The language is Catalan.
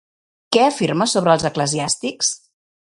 Què afirma sobre els eclesiàstics?